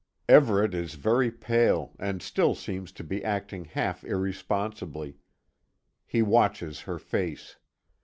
Everet is very pale, and still seems to be acting half irresponsibly. He watches her face.